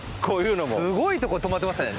すごいとこ止まってましたね